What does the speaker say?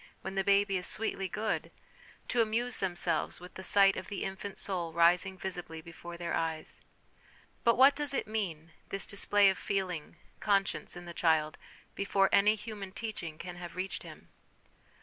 when the baby is sweetly good, to amuse themselves with the sight of the infant soul rising visibly before their eyes. But what does it mean, this display of feeling, conscience, in the child, before any human teaching can have reached him